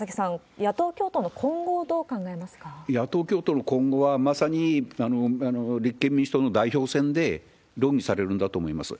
野党共闘の今後はまさに立憲民主党の代表選で論議されるんだと思います。